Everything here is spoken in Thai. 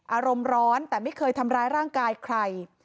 อารมณ์ร้อนแต่ไม่เคยทำร้ายร่างกายใคร